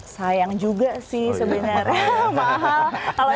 kayak yang juga sih sebenarnya mahal